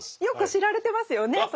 よく知られてますよね